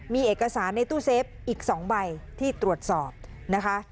มีเอกสารในตู้เซฟอีก๒ใบที่ตรวจสอบนะคะ